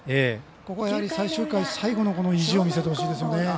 ここ、やはり最終回最後の意地を見せてほしいですね。